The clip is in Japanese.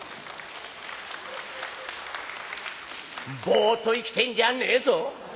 「ボーっと生きてんじゃねーぞ？」。